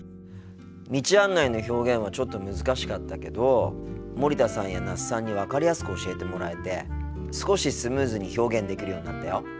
道案内の表現はちょっと難しかったけど森田さんや那須さんに分かりやすく教えてもらえて少しスムーズに表現できるようになったよ。